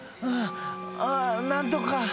ああなんとか。